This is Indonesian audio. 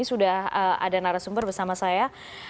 sudah ada narasumber bersama saya